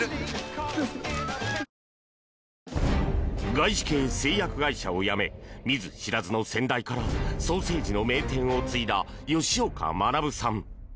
外資系製薬会社を辞め見ず知らずの先代からソーセージの名店を継いだ吉岡学さん。